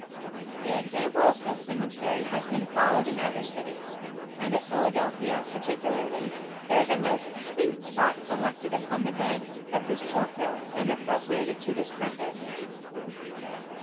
The example of this cemetery has been followed in other cities; and at Philadelphia, particularly, there is a most sweet spot selected upon the banks of the Schuylkill, and appropriated to this purpose.